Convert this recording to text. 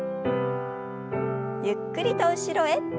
ゆっくりと後ろへ。